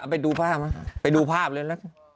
ไปดูภาพไปดูภาพเลย